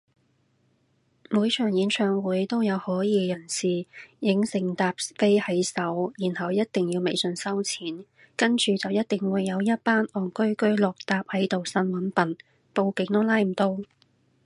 每場演唱會都有可疑人士影成疊飛喺手然後一定要微信收錢，跟住就一定會有一班戇居居落疊喺度呻搵笨，報警都拉唔到